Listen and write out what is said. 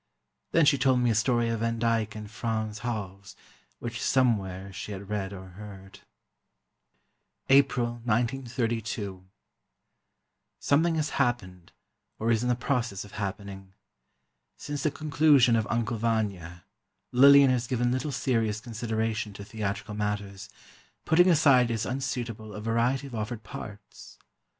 Then she told me a story of Van Dyck and Frans Hals, which somewhere she had read, or heard. April, 1932. Something has happened, or is in the process of happening. Since the conclusion of "Uncle Vanya" Lillian has given little serious consideration to theatrical matters, putting aside as unsuitable a variety of offered parts.